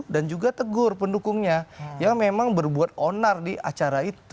dan juga tegur pendukungnya yang memang berbuat onar di acara itu